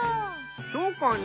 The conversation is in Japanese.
そうかな。